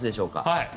はい。